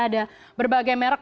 ada berbagai merk